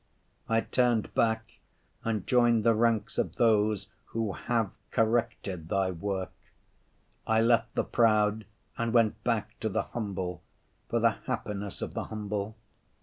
I turned back and joined the ranks of those who have corrected Thy work. I left the proud and went back to the humble, for the happiness of the humble.